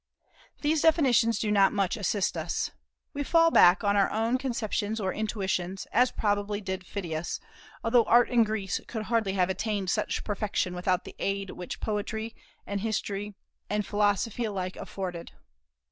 These definitions do not much assist us. We fall back on our own conceptions or intuitions, as probably did Phidias, although Art in Greece could hardly have attained such perfection without the aid which poetry and history and philosophy alike afforded.